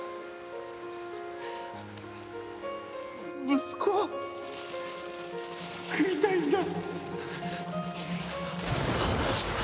息子を救いたいんだ！